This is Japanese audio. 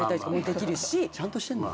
ちゃんとしてんだな。